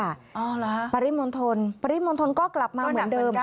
อ๋อเหรอต้นดับเหมือนกันปริมณฑลก็กลับมาเหมือนเดิม